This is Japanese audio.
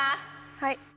はい。